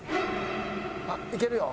あっいけるよ。